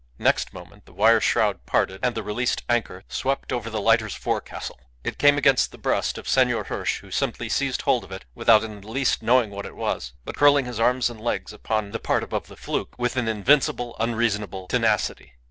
Next moment the wire shroud parted, and the released anchor swept over the lighter's forecastle. It came against the breast of Senor Hirsch, who simply seized hold of it, without in the least knowing what it was, but curling his arms and legs upon the part above the fluke with an invincible, unreasonable tenacity.